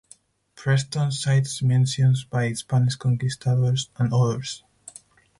Preston cites mentions by Spanish conquistadors and others.